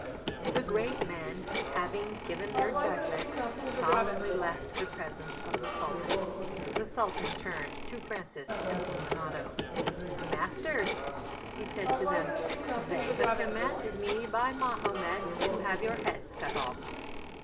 The great men, having given their judgment, solemnly left the presence of the Sultan. The Sultan turned to Francis and Illuminato. "Masters," he said to them, "they have commanded me by Mahomet to have your heads cut off.